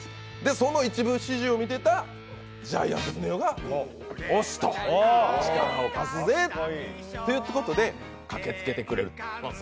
その一部始終を見てたジャイアンとスネ夫が、「力をかすぜ！」ということで駆けつけてくれるんです。